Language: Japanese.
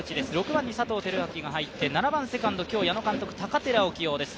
６番に佐藤輝明が入って、７番セカンド、今日、矢野監督、高寺を起用です。